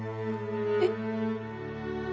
えっ。